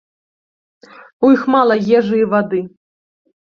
У іх мала ежы і вады.